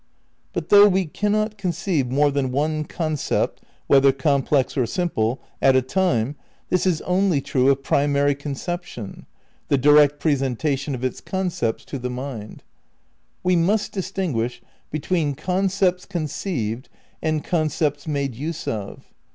But, though we cannot conceive more than one con cept (whether complex or simple) at a time, this is only true of primary conception, the direct presenta VI RECONSTEUCTION OF IDEALISM 231 tion of its concepts to the mind. We must distinguish between concepts conceived and concepts made use of.